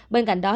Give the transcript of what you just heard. bên cạnh đó